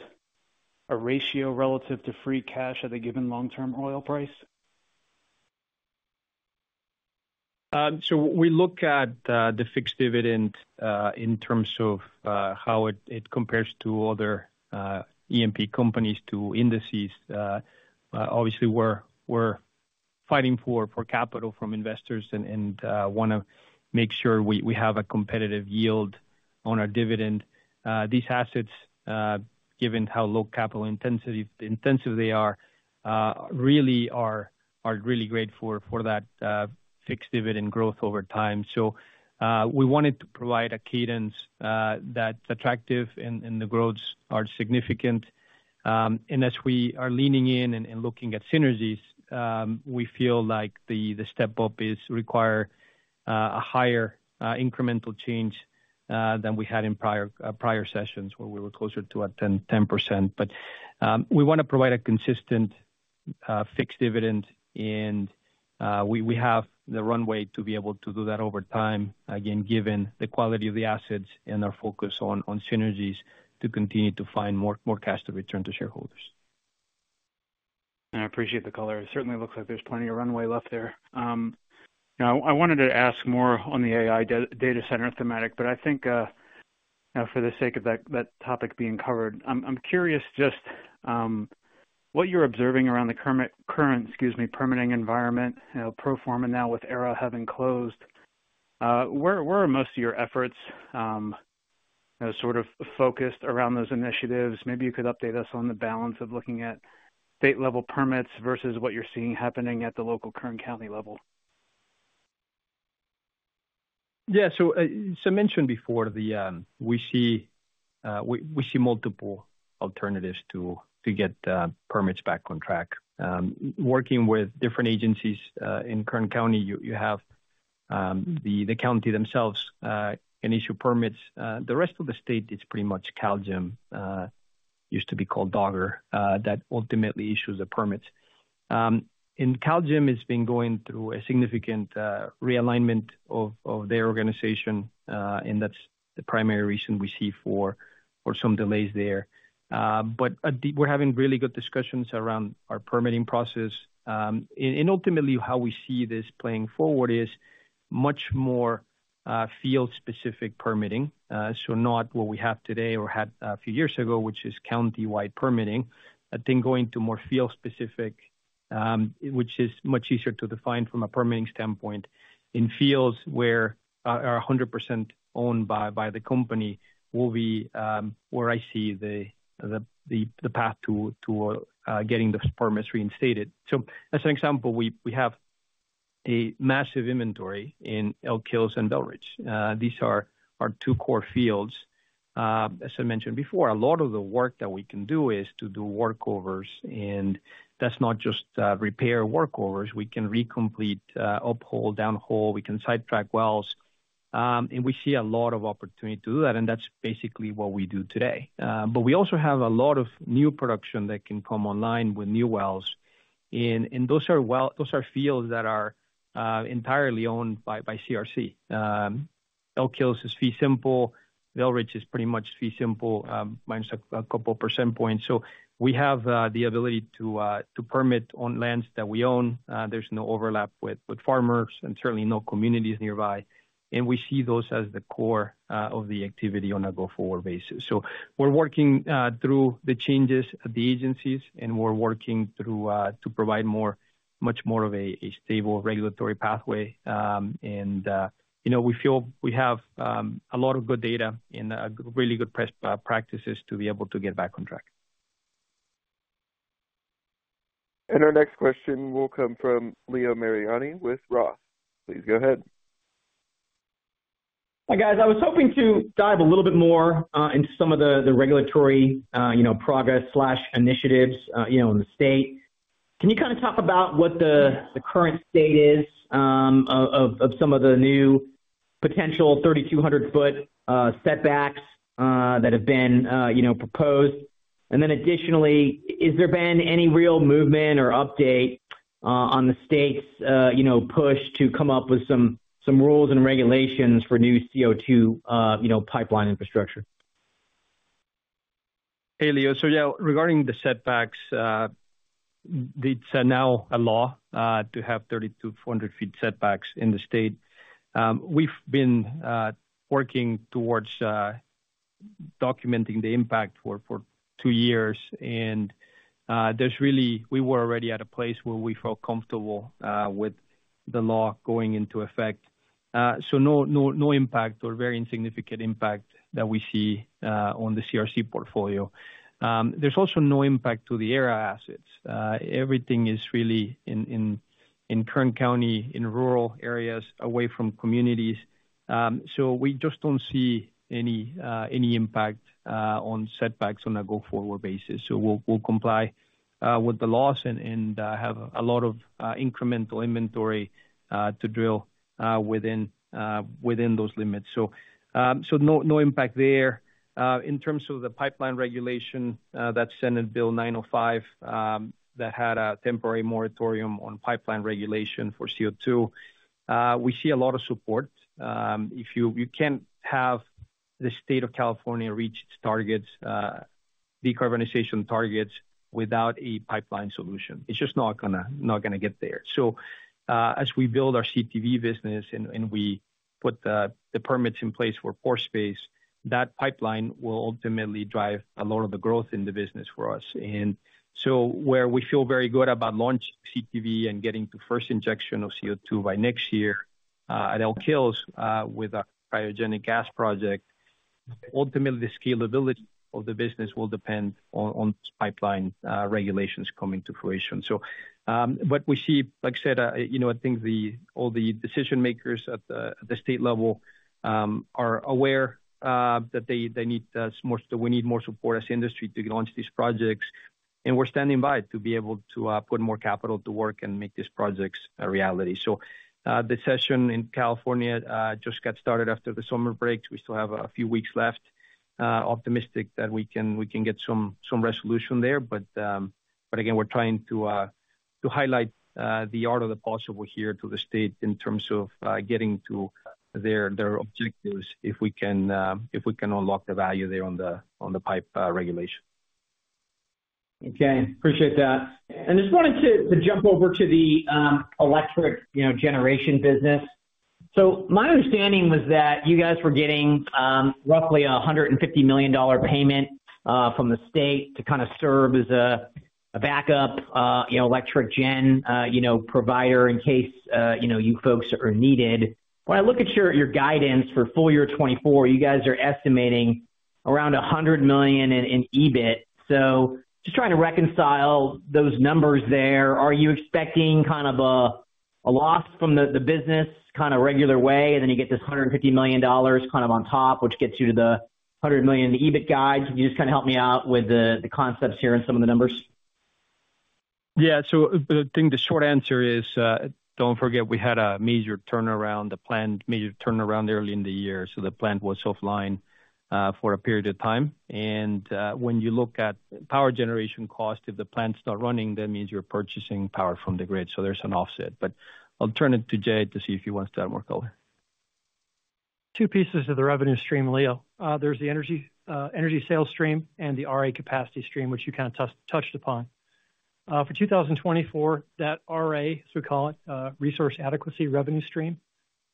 a ratio relative to free cash at a given long-term oil price? So we look at the fixed dividend in terms of how it compares to other E&P companies to indices. Obviously, we're fighting for capital from investors and wanna make sure we have a competitive yield on our dividend. These assets, given how low capital-intensive they are, really great for that fixed dividend growth over time. So we wanted to provide a cadence that's attractive and the growths are significant. And as we are leaning in and looking at synergies, we feel like the step up requires a higher incremental change than we had in prior sessions, where we were closer to a 10%. But we wanna provide a consistent fixed dividend, and we have the runway to be able to do that over time, again, given the quality of the assets and our focus on synergies to continue to find more cash to return to shareholders. I appreciate the color. It certainly looks like there's plenty of runway left there. Now, I wanted to ask more on the AI data center thematic, but I think. Now, for the sake of that topic being covered, I'm curious just what you're observing around the current permitting environment, you know, pro forma now with Aera having closed. Where are most of your efforts, you know, sort of focused around those initiatives? Maybe you could update us on the balance of looking at state-level permits versus what you're seeing happening at the local Kern County level. Yeah. So, I mentioned before that we see multiple alternatives to get permits back on track. Working with different agencies in Kern County, you have the county themselves can issue permits. The rest of the state is pretty much CalGEM, used to be called DOGGR, that ultimately issues the permits. And CalGEM has been going through a significant realignment of their organization, and that's the primary reason we see for some delays there. But we're having really good discussions around our permitting process. And ultimately how we see this playing forward is much more field-specific permitting. So not what we have today or had a few years ago, which is countywide permitting. I think going to more field specific, which is much easier to define from a permitting standpoint, in fields where are 100% owned by the company, will be where I see the path to getting those permits reinstated. So as an example, we have a massive inventory in Elk Hills and Belridge. These are our two core fields. As I mentioned before, a lot of the work that we can do is to do workovers, and that's not just repair workovers. We can recomplete, uphole downhole, we can sidetrack wells. And we see a lot of opportunity to do that, and that's basically what we do today. But we also have a lot of new production that can come online with new wells. Those are fields that are entirely owned by CRC. Elk Hills is fee simple. Belridge is pretty much fee simple, minus a couple percentage points. So we have the ability to permit on lands that we own. There's no overlap with farmers and certainly no communities nearby. And we see those as the core of the activity on a go-forward basis. So we're working through the changes at the agencies, and we're working through to provide much more of a stable regulatory pathway. And you know, we feel we have a lot of good data and really good best practices to be able to get back on track. Our next question will come from Leo Mariani with Roth. Please, go ahead. Hi, guys. I was hoping to dive a little bit more into some of the regulatory, you know, progress initiatives, you know, in the state. Can you kind of talk about what the current state is of some of the new potential 3,200-foot setbacks that have been, you know, proposed? And then additionally, has there been any real movement or update on the state's, you know, push to come up with some rules and regulations for new CO2, you know, pipeline infrastructure? Hey, Leo. So yeah, regarding the setbacks, it's now a law to have 3,200 feet setbacks in the state. We've been working towards documenting the impact for 2 years. And there's really. We were already at a place where we felt comfortable with the law going into effect. So no, no, no impact or very insignificant impact that we see on the CRC portfolio. There's also no impact to the Aera assets. Everything is really in Kern County, in rural areas, away from communities. So we just don't see any impact on setbacks on a go-forward basis. So we'll comply with the laws and have a lot of incremental inventory to drill within those limits. So no impact there. In terms of the pipeline regulation, that's Senate Bill 905, that had a temporary moratorium on pipeline regulation for CO2, we see a lot of support. If you can't have the state of California reach its targets, decarbonization targets without a pipeline solution. It's just not gonna get there. So, as we build our CTV business and we put the permits in place for pore space, that pipeline will ultimately drive a lot of the growth in the business for us. And so where we feel very good about launching CTV and getting the first injection of CO2 by next year, at Elk Hills, with our cryogenic gas project, ultimately the scalability of the business will depend on pipeline regulations coming to fruition. So, what we see, like I said, you know, I think all the decision makers at the state level are aware that they need us more, so we need more support as industry to launch these projects, and we're standing by to be able to put more capital to work and make these projects a reality. The session in California just got started after the summer break. We still have a few weeks left. Optimistic that we can get some resolution there, but again, we're trying to highlight the art of the possible here to the state in terms of getting to their objectives, if we can unlock the value there on the pipe regulation. Okay, appreciate that. I just wanted to jump over to the electric, you know, generation business. So my understanding was that you guys were getting roughly a $150 million payment from the state to kind of serve as a backup, you know, electric gen, you know, provider in case you know, you folks are needed. When I look at your guidance for full year 2024, you guys are estimating around $100 million in EBIT. So just trying to reconcile those numbers there. Are you expecting kind of a loss from the business kind of regular way, and then you get this $150 million on top, which gets you to the $100 million EBIT guide? Can you just kind of help me out with the concepts here and some of the numbers? Yeah. So the thing, the short answer is, don't forget, we had a major turnaround, the plant major turnaround early in the year, so the plant was offline for a period of time. And when you look at power generation cost, if the plant's not running, that means you're purchasing power from the grid, so there's an offset. But I'll turn it to Jay to see if he wants to add more color. Two pieces of the revenue stream, Leo. There's the energy, energy sales stream and the RA capacity stream, which you kind of touch, touched upon. For 2024, that RA, as we call it, Resource Adequacy revenue stream,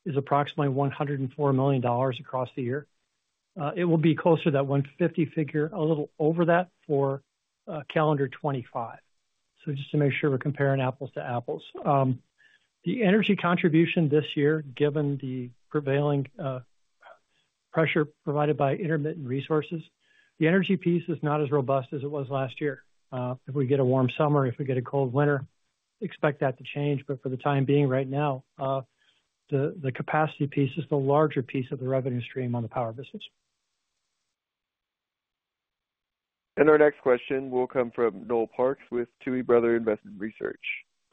is approximately $104 million across the year. It will be closer to that $150 million figure, a little over that for calendar 2025. So just to make sure we're comparing apples to apples. The energy contribution this year, given the prevailing pressure provided by intermittent resources, the energy piece is not as robust as it was last year. If we get a warm summer, if we get a cold winter, expect that to change. But for the time being, right now, the capacity piece is the larger piece of the revenue stream on the power business. Our next question will come from Noel Parks with Tuohy Brothers Investment Research.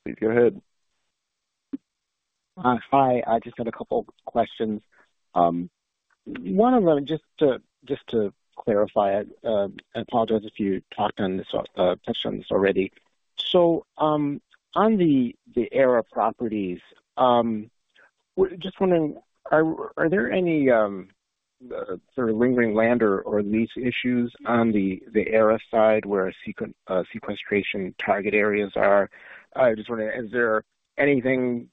Please go ahead. Hi, I just had a couple questions. One of them, just to clarify, I apologize if you talked on this, touched on this already. So, on the Aera properties, just wondering, are there any sort of lingering land or lease issues on the Aera side, where sequestration target areas are? I just wonder, is there anything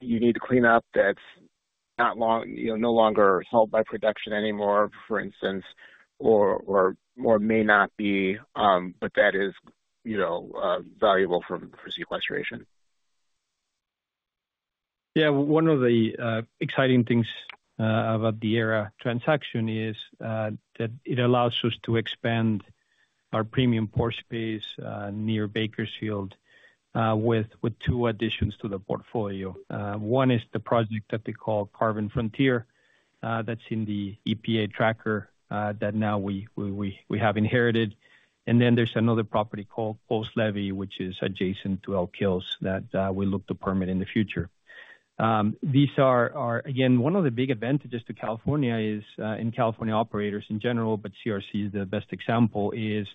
you need to clean up that's not. You know, no longer held by production anymore, for instance, or, or, or may not be, but that is, you know, valuable for sequestration? Yeah. One of the exciting things about the Aera transaction is that it allows us to expand our premium pore space near Bakersfield with two additions to the portfolio. One is the project that they call Carbon Frontier, that's in the EPA tracker, that now we have inherited. And then there's another property called Coles Levee, which is adjacent to Elk Hills, that we look to permit in the future. These are again one of the big advantages to California is in California operators in general, but CRC is the best example, is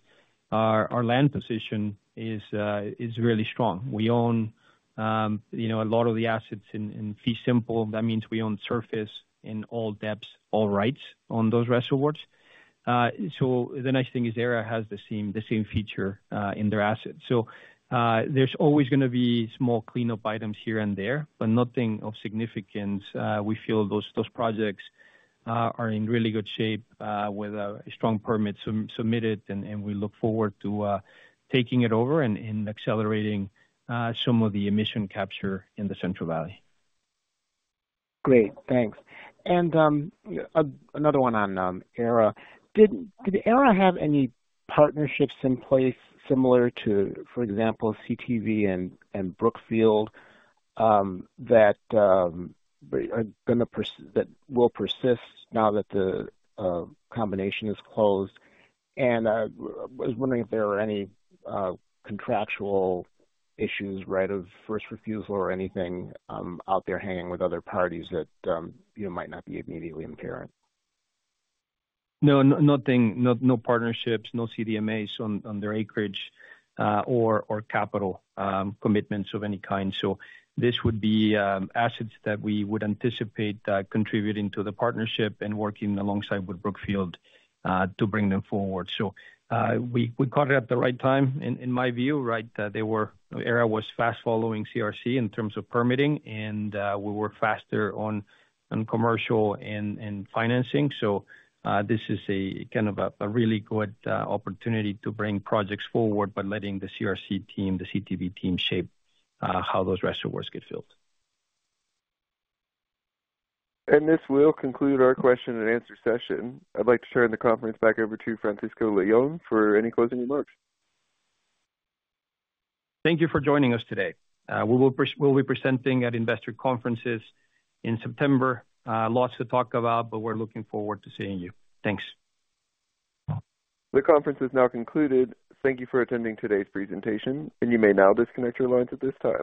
our land position is really strong. We own you know a lot of the assets in fee simple. That means we own surface in all depths, all rights on those reservoirs. So the nice thing is Aera has the same, the same feature in their assets. So, there's always gonna be small cleanup items here and there, but nothing of significance. We feel those projects are in really good shape with a strong permit submitted, and we look forward to taking it over and accelerating some of the emission capture in the Central Valley. Great, thanks. And another one on Aera. Did Aera have any partnerships in place similar to, for example, CTV and Brookfield, that will persist now that the combination is closed? And I was wondering if there were any contractual issues, right, of first refusal or anything, you know, might not be immediately apparent? No, nothing. No, no partnerships, no CDMAs on their acreage, or capital commitments of any kind. So this would be assets that we would anticipate contributing to the partnership and working alongside with Brookfield to bring them forward. So we caught it at the right time, in my view, right? Aera was fast following CRC in terms of permitting, and we were faster on commercial and financing. So this is a kind of a really good opportunity to bring projects forward by letting the CRC team, the CTV team, shape how those reservoirs get filled. This will conclude our question and answer session. I'd like to turn the conference back over to Francisco Leon for any closing remarks. Thank you for joining us today. We'll be presenting at investor conferences in September. Lots to talk about, but we're looking forward to seeing you. Thanks. The conference is now concluded. Thank you for attending today's presentation, and you may now disconnect your lines at this time.